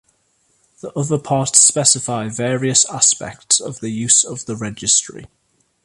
The other parts specify various aspects of the use of the registry.